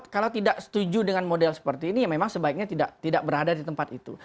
kalau tidak setuju dengan model seperti ini ya memang sebaiknya tidak berada di tempat itu